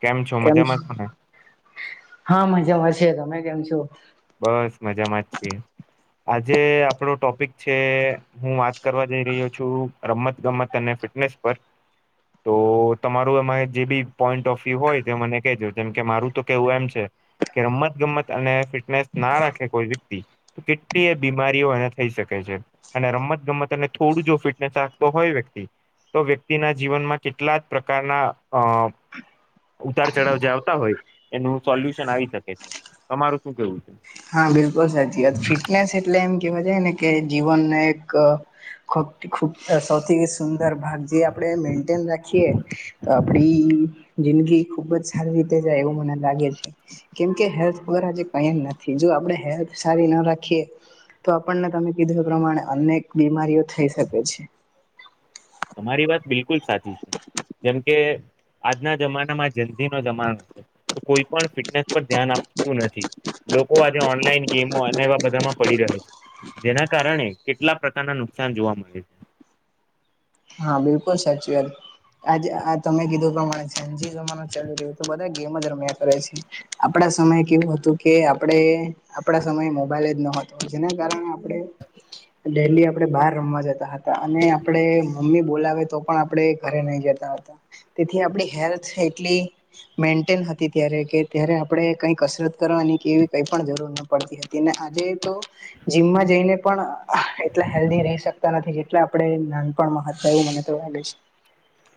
કેમ છો મજામાં છો ને હા મજામાં છે તમે કેમ છો બસ મજામાં જ છીએ આજે આપણો ટોપિક છે હું વાત કરવા જઈ રહ્યો છું રમત ગમત અને ફિટનેસ બસ તો તમારું એમાં જે બી પોઈન્ટ ઓફ વ્યુ હોય તે મને કજો જેમ કે મારું તો કેવું એમ છે કે રમત ગમત અને ફિટનેસ ના રાખે કોઈ વ્યક્તિ કેટલી એ બીમારીઓ એને થઈ શકે છે અને રમત ગમત અને થોડું જો ફિટનેસ રાખતો હોય વ્યક્તિ તો વ્યક્તિના જીવનમાં કેટલા જ પ્રકારના અ ઉતાર ચઢાવ જે આવતા હોય એનું સોલ્યુશન આવી શકે છે તમારું શું કેવું છે હા બિલકુલ સાચી વાત ફિટનેસ એટલે એમ કેવા છે ને કે જીવનને એક ખૂબ સૌથી સુંદર ભાગ જે આપણેે મેન્ટેન રાખીએ તો આપડી જિંદગી ખુબ જ સારી રીતે જાય એવું મને લાગે છે કેમકે હેલ્થ વગરજે કઈ નથી જો આપણે હેલ્થ સારી ના રાખીએ તો આપણને તમે કીધું એ પ્રમાણે અનેક બીમારીઓ થઈ શકે છે તમારી વાત બિલકુલ સાચી છે જેમ કે આજના જમાનામાં જની નો જમાનો છે તો કોઈ પણ ફિટનેસ પર ધ્યાન આપતું નથી લોકો આજે ઓનલાઈન ગેમો અને એવા બધામાં પડી રહે છે જેના કારણે કેટલા પ્રકારના નુકસાન જોવા મળે છે હા બિલકુલ સાચી વાત આજે આ તમે કીધું પ્રમાણે સાંજે જમાનો ચાલી રહ્યો તો બધા ગેમો જ રમ્યા કરે છે આપડા સમયે કેવું હતું કે આપણે આપડા સમયે મોબાઈલ જ નતો જેના કારણે આપણે ડેલી આપે બહાર રમવા જતા હતા અને આપણે મમ્મી બોલાવે તો પણ આપણે ઘરે નહી જતા હતા તેથી આપડી હેલ્થ એટલી મેન્ટેન હતી ત્યારે કે ત્યારે આપણે કઈ કસરત કરવાની કેવી કઈ પણ જરૂર ન પડતી હતી એ આજે તો જીમમાં જઈને પણ એટલા હેલ્ધ રહી શકતા નથી જેટ આપણે પણ મહત્વ એવું મને તો લાગે છે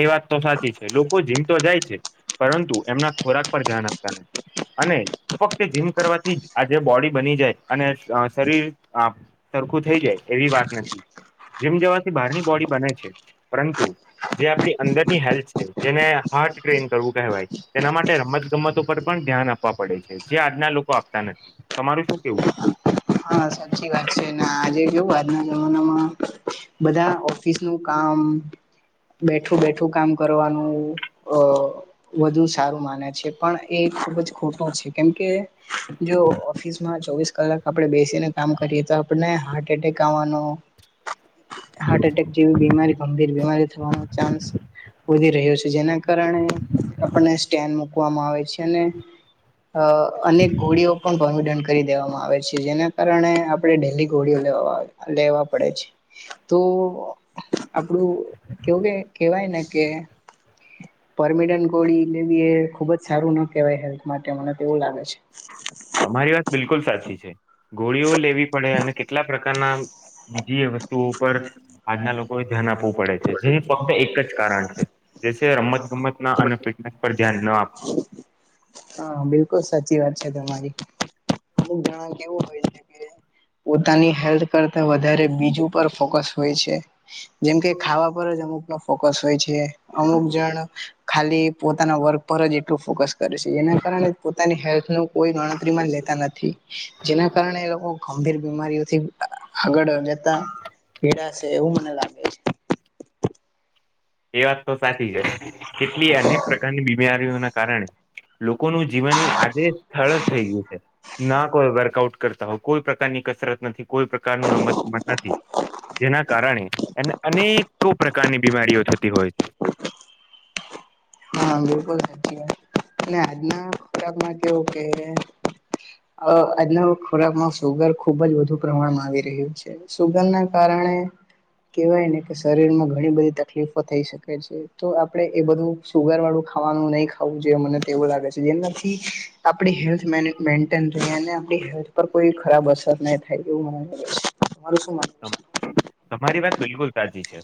એ વાત તો સાચી છે લોકો જીમતો જાય છે પરંતુ એમના ખોરાક પર ધ્યાન આપતા નથી અને ફક્ત જીમ કરવાથી આજે બોડી બની જાય અને શરીર સરખું થઈ જાય એવી વાત નથી જીમ જવાથી બહારની બોડી બને છે પરંતુ જે આપણી અંદરની હેલ્થ છે જેને હાર્ટ ટ્રેન કરવું કહેવાય તેના માટે રમત ગમતો પર પણ ધ્યાન આપવા પડે છે જે આજના લોકો આપતા નથી તમારું શું કેવું છે હા સાચી વાત છે આજે જોવું આજના જમાનામાં બધા ઓફિસ નું કામ બેઠું બેઠું કામ કરવાનું અ વધુ સારું માને છે પણ એ ખુબ જ ખોટો છે કેમ કે જો ઓફિસ માં ચોવીસ કલાક આપડે બેસીને ક કરીએ તો આપને હાર્ટ એટેક આવવાનું હાર્ટ એટેક જેવી બીમારી ગંભીર બીમારી થવાનો ચાન્સ વધી રહ્યો છે જેના કારણે આપણને સ્ટેન્ મુકવામાં આવે છે અને અ અનેક ગોળીઓ પણ ભંગી દંડ કરી દેવામાં આવે છે જેને કારણે આપણે ડેલી ગોળીઓ લે લેવા પડે છે તો આપડું કેવું કે કેવાય ને કે પરમિનન્ટ ગોળી લેવી એ ખુબ જ સારું ના કહેવાય હેલ્થ માટે મને તેવું લાગે છે અમારી વાત બિલકુલ સાચી છે ગોળીઓ લેવી પડે અને કેટલા પ્રકારના બીજી વસ્તુ તુ ઉપર આજના લોકોએ ધ્યાન આપવું પડે છે જે ફક્ત એક જ કારણ છે જે રમત ગમત ના અને ફિટનેસ પર ધ્યાન ના આપે હા બિલકુલ સાચી વાત છે તમારી અવ હોય પોતાની હેલ્થ કરતા વધ બીજ ફોકસ હોય છે જેમ કે ખાવા પર જ અમુક ફોકસ હોય છે અમુક જણ ખાલી પોતાના વર્ગ પર જ એટલું ફોકસ કરે છે એના કારણે પોતાની હેલ્થ ન કોઈ ગણતરીમાં લેતા નથી જેના કારણે એ લોકો ગંભીર બીમારીઓથી આગળ જતા પીડાશે એવું મને લાગે છે એ વાત તો સાચી છે કેટલી અનેક પ્રકારની બીમારીઓ ના કારણે લોકોનુંું જીવન આજે સરળળ થઈ ગયું છે ના કોઈ વર્કઆઉટ કરતા હોય કોઈ પ્રકારની કસરત નથી કોઈ પ્રકાર ન રમત ગમત નથી જેના કારણે એને અનેકો પ્રકારની બીમારીઓ થતી હોય છે હા બિલકુલ સાચી અને આજનાક માટે કે અ આજના ખોરાકમાં સુુગર ખુબ જ વધુ પ્રમાણમાં આવી રહ્યું છે સુગંધ ના કારણે કેવાયને કે શરીર માં ઘણી બધી તકલીફો થઈ શકે છે તો આપણે એ બધું સુુગર વાળું ખાવાનું નહીિ ખાવું જોઈએ મને તેવું લાગે છે જેનાથી આપ હેલ્ હે પર કોઈ ખરાબ અસર ન થાય એવ મે છે માર શું [unintelligible] તમારી વાત બિલકુલ સાચી છે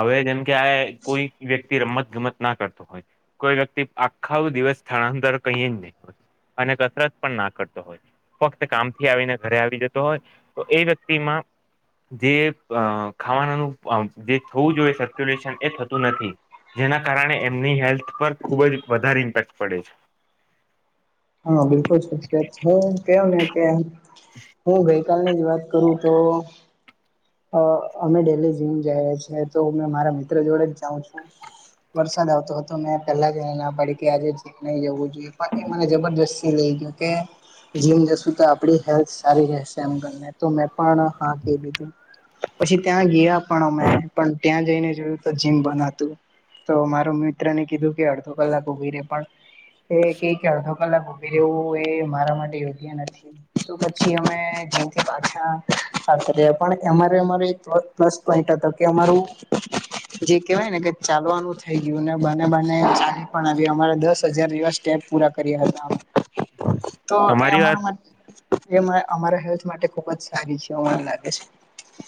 હવે જેમ કે આ કોઈ વ્યક્તિ રમત ગમત ના કરતો હોય કોઈ વ્યક્તિ આખા દિવસ સ્થળાંતર કહી જ નહીં હોય અને કસરત પણ ના કરતો હોય ફક્ત કામથી આવીને ઘરે આવી જતો હોય તો એ વ્યક્તિમાં જે ખાવાનાનું જે થવું જોઈએ સર્ક્યુલેશન એ થતું નથી જેના કારણે એમની હેલ્થ પર ખુબ જ વધારે ઇમ્પેક્ટ પડે છે. હા બિલકુલત હું કેવ ને કે હું ગ. કલ ની જ વાત કરું તો. અમે ડેલી જીમ જઈ રહ્યા છેીએ તો મારા મિત્ર જોડે જ જાઉં છું. વરસાદ આવતો હતો મેને પહેલા જ ના પડી કે આજે નહી જવું જોઈએ એ મને. જબરજસ્તી લઈ કેકે. જીમ જશું તો આપ હેલ્થ સારી રહેશે મે પણ હા કીધું. પછી ત્યાં ગયા પણ અમે પણ ત્યાં જઈને જોયું તો જીમ બન હતું. તો માર મિત્ર ને કીધું કે અડધો કલાક ઉભી રે પણ એ કે એધો. કલાક ઉભી રહેવું એ મારા માટે યોગ્ય નથી. તો પછી અમે જેથી પાછા સાથે પણ અમારે અમારે. પ્લસ પોઈન્ટ હતો કે અમારું. જે કેવાય ને કે ચાલવાનું થઇ ગયું ને બને બાને ચાલી પણ આવ અમારે દસ હજાર દિવસ. સ્ટેપ્સ પૂરા કર્યા હતા તો એ તમારી વાત અમારા માટે. એ અમારા હેલ્થ માટે ખુબ જ સારી છે આવુ અમને લાગે છે.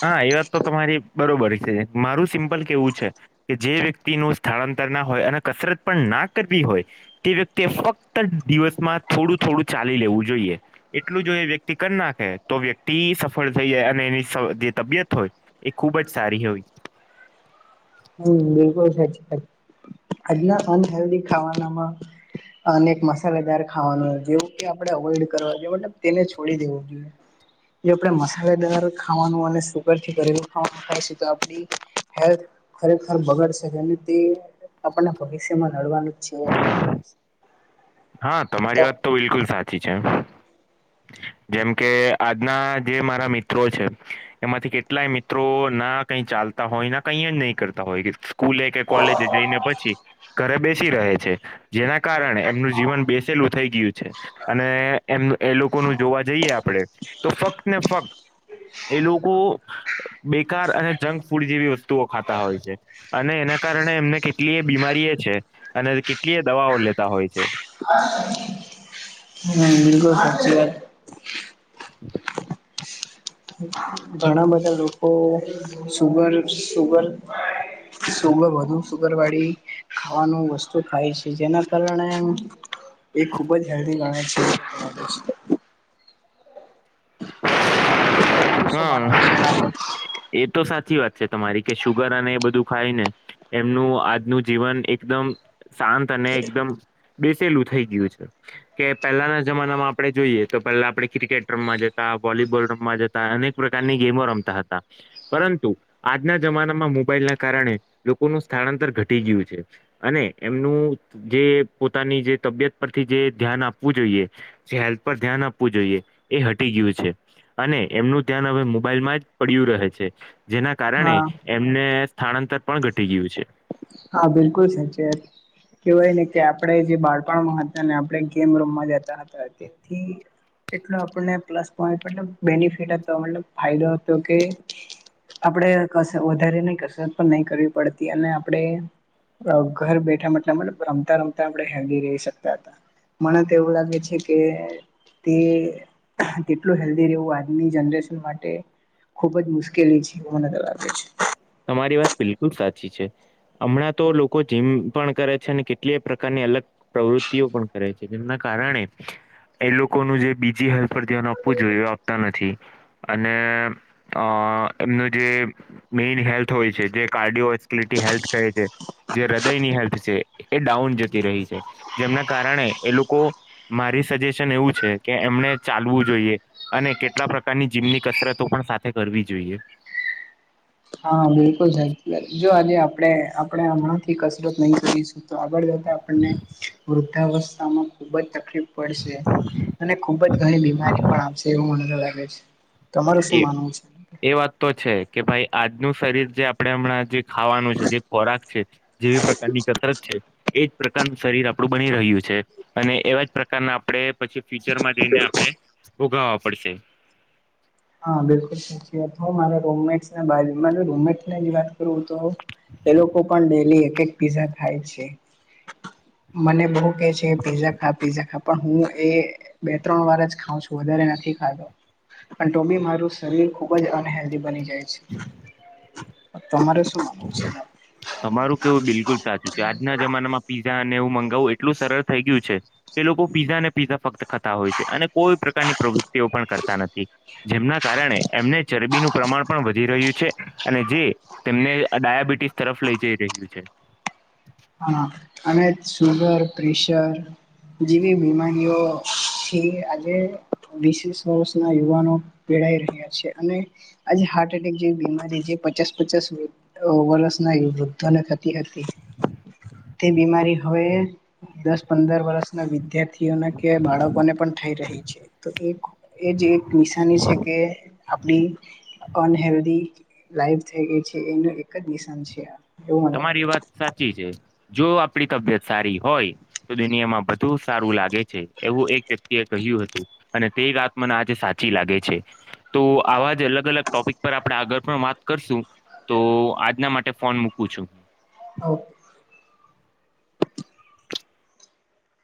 હા એ વાત તો તમારી બરોબર છે મારું સિમ્પલ કેવું છે કે જે વ્યક્તિ ણુ સ્થળાંતર ના હોય અને કસરત પણ ના કરવી હોય. તે વ્યક્તિ ફક્ત દિવસમાં થોડું થોડું ચાલી લેવું જોઈએ એટલું જો એ વ્યક્તિ કરી નાખે તો વ્યક્તિ સફળ થઈ જાય અને એની. જે તબિયત હોય એ ખુબ જ સારી હોય. હમ બિલકુલ સાચી વાત આજના અનહેલ્ધી ખાવાનામાં. અનેક મસાલેદાર ખાવાનું જેવું કે આપણે અવોઈડ કરવા જોઈએ મતલબ તેને છોડી દેવું જોઈએ. જો આપણે મસાલેદાર ખાવાનું અને સુગરથી ઘરેલું ખાવાનું ખાય છે તો આપણી હેલ્થ. ખરેખર બગાડશે અને તે આપણને ભવિષ્યમાં નડવાનું જ છે એવું તો હા તમારી વાત તો બિલકુલ સાચી છે. જેમ કે આજના જે મારા મિત્રો છે. એમાંથી કેટલાય મિત્રો ના કઈ ચાલતા હોય ના કઈ જ નહી કરતા હોય. સ્કૂલે કે કોલેજ જઈને પછી ઘરે બેસી રહે છે જેના કારણે એમનું. જીવન બેસેલું થઈ ગયું છે અને એમ એ લોકોનું જોવા જઈએ આપડે. તો ફક્ત ને ફક્ત. એ લોકો. બેકાર અને જંક ફૂડ જેવી વસ્તુઓ ખાતા હોય છે. અને એના કારણે એમને કેટલી એ બીમારી એ છે અને કેટલી એ દવાઓ લેતા હોય છે. હ બલકુલ સાચી [inaudible] ઘણા બધા લોકો સુગર સુગર. સુગ વધુ સુગરવાડી. ખાવાનું વસ્તુ ખાય છે જેના કારણે. એ ખુબ જ હલ્દી ગણે છે. તમારું શું માનવું છે હા એનાથી. એ તો સાચી વાત છે તમારી કે સુુગર અને એ બધું ખાય ને. એમનું આજનું જીવન એકદમ. શાંત અને એકદમ બેસેલું થઈ ગયું છે. કે પહેલાના જમાનામાં આપડણે જોઈએ તો પહેલા આપણે ક્રિકેટ રમવા જતા વોલીબોલ રમવા જતા. અનેક પ્રકારની ગેમો રમતા હતા. પરંતુ આજના જમાનામાં મોબાઈલ ના કારણે લોકોનું સ્થળાંતર ઘટી ગયું છે. અને એમનું જે પોતાની જે તબિયત પરથી જે ધ્યાન આપવું જોઈએ. જે હેલ્થ પર ધ્યાન આપવું જોઈએ એ હટી ગયું છે અને. એમનું ધ્યાન હવે મોબાઈલમાં જ પડ્યું રહે છે જેના કારણે. હા એમને સ્થાળાંતર પણ ઘટી ગયું છે હા બિલકુલ સાચે કેહેવાય ને કે આપણે જે બાળપણમાં હતા આપણે ગેમ રમા વા જતા હતા તેથી એટલો આપણને પ્લસ પોઈન્ટ મતલબ બેનિફિટ હતો મતલબ ફાયદો હતો કે આપડે ક વધારે નઈ કસરટ પણ નહી કરવી પડતી અને આપણે ઘર બેઠાલા મતલબ રમતા રમતા આપણે હેલ્ધી રહી શકતા હતા મને તો એવું લાગે છે, કે તે કેટલું હેલ્ધી રહેવું આજની જનરેશન માટે ખુબ જ મુશ્કેલી છે, એ મને તો લાગે છે. તમારી વાત બિલકુલ સાચી છે. હમણાં તો લોકો જીમ પણ કરે છે, અને કેટલી પ્રકારની અલગ પ્રવૃત્તિઓ પણ કરે છે, જેમના કારણે એ લોકોનું જે બીજી હાલ પર ધ્યાન આપવું જોઈએ આપતા નથી અને અ એમનું જે મેઈન હેલ્થ હોય છે, જે કાર્ડિયોટી હેલ્થ કહે છે. જે હૃદયની હેલ્થ છે, એ ડાઉન જતી રહી છે, જેમના કારણે એ લોકો મારી સજેશન એવું છે, કે એમને ચાલવું જોઈએ અને કેટલા પ્રકારની જીમની કસરતો પણ સાથે કરવી જોઈએ હા બિલકુલ જો આજે આપણે આપણે હમણાંથી કસરત નહી કરીશ તો આગળ જતા આપણને વૃદ્ધાવસ્થામાં ખુબ જ તકલીફ પડશે અને ખુબ જ ઘણી બીમારી પણ આવશે એવું મનેને લાગે છે, તમારું એ શું માનવું છે. એ વાત તો છે, કે ભાઈ આજનું શરીર જે આપણેે હમણાં જે ખાવાનું છે જે ખોરાક છે. જેવી પ્રકારની કસરત છે, એજ પ્રકારનું શરીર આપણું બની રહ્યું છે. અને એવા જ પ્રકારના આપણે પછી ફ્યુચરમાં જઈને આપડણે ભોગાવા પડશે હા બિલકુલ સાચી વાત મામેટ રમે વાત કરું તો એ લોકો પણ ડેલી એક એક પીઝા ખાય છે મને બ ખા પ હું એ બે ત્રણ વાર જ ખાઉં છું વધારે નથી ખાતો ટ બી મારું શરીર ખુબ જ અનહેલ્ધ બની જાય છે, તમારે શું માનવું છે? તમારું કેવું બિલકુલ સાચું છે, આજના જમાનામાં પીઝા અને હું મંગાવું એટલું સરળ થઇ ગયું છે. એ લોકો પીઝા અને પીઝા ફક્ત ખતા હોય છે, અને કોઈ પ્રકારની પ્રવૃત્તિઓ પણ કરતા નથી જેમના કારણે એમને ચરબીનું પ્રમાણ પણ વધી રહ્યું છે, અને જે તેમને ડાયાબિટીસ તરફ લઇ જઈ રહ્યું છે. હા અને સુુગર પ્રેશર જેવી બીમારીઓ છે, આજે વિીસેસ વર્ષના યુવાનો પેડાઈ રહ્યા છે, અને આજે હાર્ટ એટેક જેવી બીમારી જે પચાસ પચાસ વરસ ના વૃદ્ધો ને થતી હતી તે બીમારી હવે દસ પંદર વર્ષના વિદ્યાર્થી ના કે બાળકો ને પણ થઇ રહી છે. તો એક એજ એક નિશાની છે, કે આપડી અનહેલ્ધ લાઈવ થઈ ગઈ છે, એનું એક જ દિશ છે. એવું મને લાગે તમારી છે. વાત સાચી છે, જો આપણી તબિયત સારી હોય તો દુનિયામાં બધુ સારું લાગે છે, એવું એક વ્યક્તિ એ કહ્યું હતું અને તે ગત મને આજે સાચી લાગે છે. તો આવા જ અલગ અલગ ટોપિક પર આપણે આગળ પણ વાત કરશું તો આજના માટે ફોન મૂક પૂછો આવ